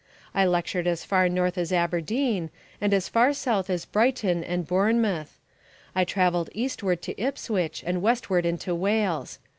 I lectured as far north as Aberdeen and as far south as Brighton and Bournemouth; I travelled eastward to Ipswich and westward into Wales.